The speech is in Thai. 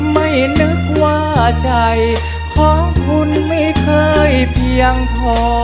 ไม่นึกว่าใจของคุณไม่เคยเพียงพอ